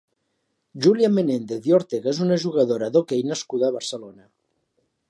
Júlia Menéndez i Ortega és una jugadora d'hoquei nascuda a Barcelona.